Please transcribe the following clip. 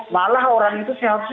malah orang itu seharusnya